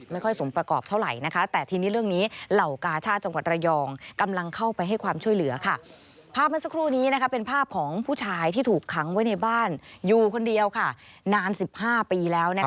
ไม่ให้คนนี้เขาสวมเสื้อผ้าล่ะ